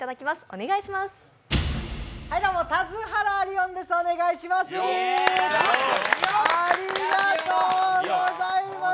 お願いします。